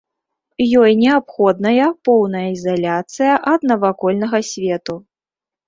Ёй неабходная поўная ізаляцыя ад навакольнага свету.